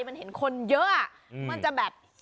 มันเห็นคนเยอะมันจะแบบ